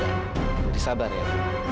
jadi sabar ya